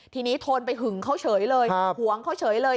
ทีนี้โทนไปหึงเขาเฉยเลยหวงเขาเฉยเลย